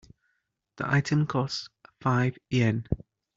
The item costs five Yen.